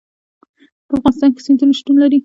په افغانستان کې سیندونه شتون لري.